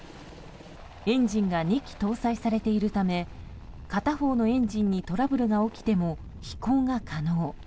エンジンが２基搭載されているため片方のエンジンにトラブルが起きても飛行が可能。